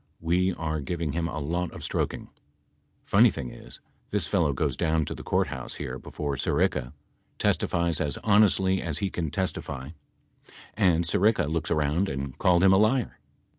We are giving him a lot of stroking. Funny thing is this fellow goes down to the Courthouse here before Sirica, testifies as honestly as he can testify, and Sirica looks around and called him a liar.